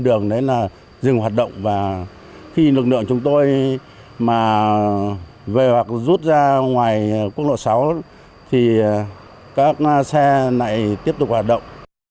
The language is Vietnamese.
tuyến đường chúng tôi mà về hoặc rút ra ngoài quốc lộ sáu thì các xe này tiếp tục hoạt động